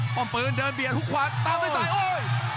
ปลอมปืนเดินเบียดหุบควันตามในซ้ายโอ้โฮ